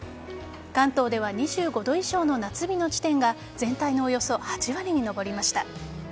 関東では２５度以上の夏日の地点が全体のおよそ８割に上りました。